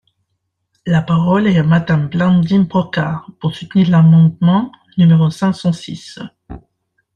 La parole est à Madame Blandine Brocard, pour soutenir l’amendement numéro cinq cent six.